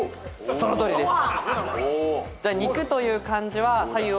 そのとおりです。